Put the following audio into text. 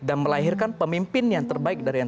dan melahirkan pemimpin yang terbaik